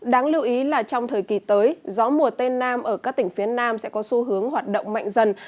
đáng lưu ý là trong thời kỳ tới gió mùa tây nam ở các tỉnh phía nam sẽ có xu hướng hoạt động mạnh dần